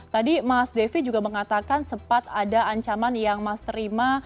tadi mas devi juga mengatakan sempat ada ancaman yang mas terima